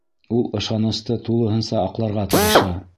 Ул ышанысты тулыһынса аҡларға тырыша.